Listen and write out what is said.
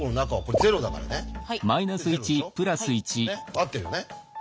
合ってるよね？